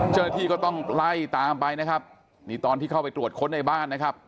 เจ้าหน้าที่ก็ต้องไล่ตามไปนะครับนี่ตอนที่เข้าไปตรวจค้นในบ้านนะครับ